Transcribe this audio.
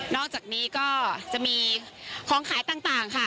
อกจากนี้ก็จะมีของขายต่างค่ะ